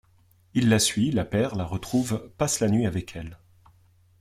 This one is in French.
Il la suit, la perd, la retrouve, passe la nuit avec elle.